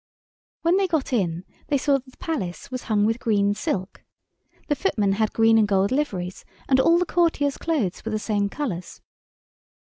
When they got in they saw that the Palace was hung with green silk. The footmen had green and gold liveries, and all the courtiers' clothes were the same colours.